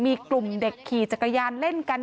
มีกลุ่มเด็กขี่จักรยานเล่นกัน